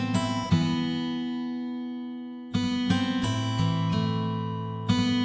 garisnya satu beb